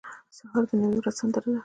سهار د نوې ورځې سندره ده.